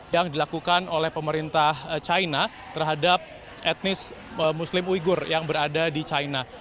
yang dilakukan oleh pemerintah china terhadap etnis muslim uyghur yang berada di china